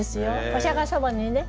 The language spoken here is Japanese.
お釈様にね